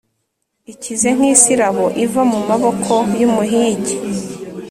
ikize nk’isirabo iva mu maboko y’umuhigi,